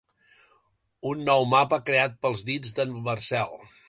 Un nou mapa creat pels dits del Marcel.